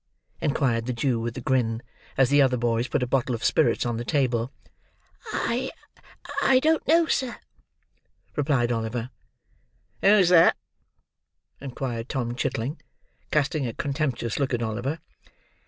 inquired the Jew, with a grin, as the other boys put a bottle of spirits on the table. "I—I—don't know, sir," replied Oliver. "Who's that?" inquired Tom Chitling, casting a contemptuous look at Oliver.